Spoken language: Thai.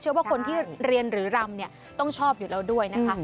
ว่าคนที่เรียนหรือรำเนี่ยต้องชอบอยู่แล้วด้วยนะคะ